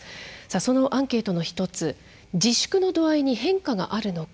そのアンケートの１つ自粛の度合いに変化があるのか。